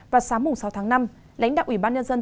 vào sáng sáu tháng năm lãnh đạo ủy ban nhân dân